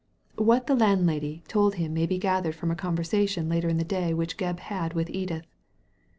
What the landlady told him may be gathered from a conver sation later in the day which Gebb had yirith Edith.